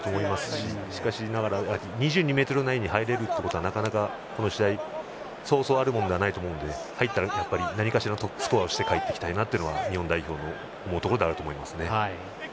しかしながら、２２ｍラインに入れるということはなかなか、この試合そうそうあるものじゃないと思うので入ったら、何かしらスコアをして帰ってきたいなというのは日本代表の思うところだと思います。